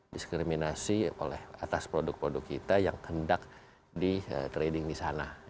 diskriminasi oleh atas produk produk kita yang hendak di trading di sana